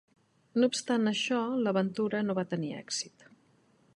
"No obstant això, l'aventura no va tenir èxit."